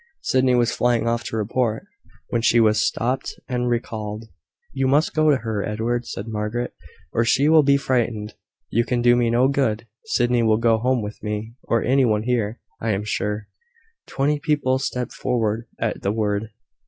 Sydney was flying off to report, when he was stopped and recalled. "You must go to her, Edward," said Margaret, "or she will be frightened. You can do me no good. Sydney will go home with me, or any one here, I am sure." Twenty people stepped forward at the word.